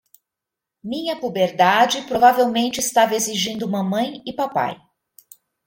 Minha puberdade provavelmente estava exigindo mamãe e papai.